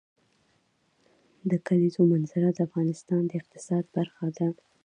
د کلیزو منظره د افغانستان د اقتصاد برخه ده.